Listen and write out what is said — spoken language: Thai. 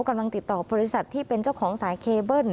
กำลังติดต่อบริษัทที่เป็นเจ้าของสายเคเบิ้ล